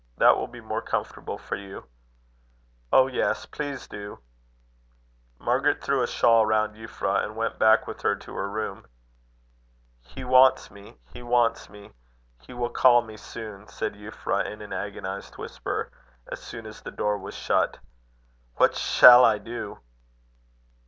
That will be more comfortable for you." "Oh! yes; please do." Margaret threw a shawl round Euphra, and went back with her to her room. "He wants me. He wants me. He will call me soon," said Euphra, in an agonised whisper, as soon as the door was shut. "What shall I do!"